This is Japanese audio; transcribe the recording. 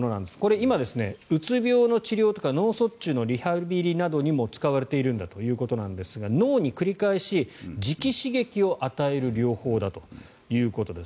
今、うつ病の治療とか脳卒中のリハビリにも使われているということですが脳に繰り返し磁気刺激を与える療法だということです。